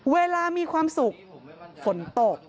เวลามีความสุขฝนตก